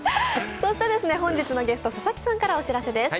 本日のゲスト佐々木さんからお知らせです。